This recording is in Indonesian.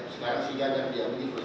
sekarang sejajar dia